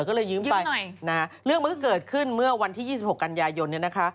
ก็เลยยืมไปยืมหน่อยนะฮะเรื่องมันก็เกิดขึ้นเมื่อวันที่ยี่สิบหกกันยายนเนี่ยนะคะ